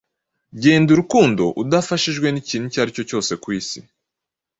Genda urukundo udafashijwe n'ikintu icyo ari cyo cyose ku isi. '